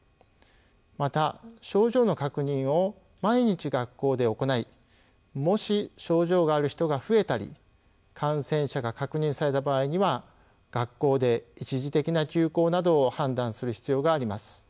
また症状の確認を毎日学校で行いもし症状がある人が増えたり感染者が確認された場合には学校で一時的な休校などを判断する必要があります。